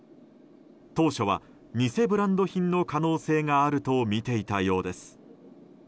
当初は、偽ブランド品の可能性があるとみていたようです。